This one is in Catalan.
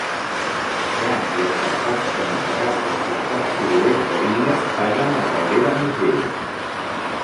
Grans i escarpats penya-segats del costat sud-oest de l'illa tallen la caldera més vella.